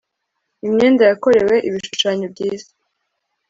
Imyenda yakorewe ibishushanyo byiza